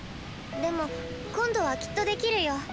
でも今度はきっとできるよ。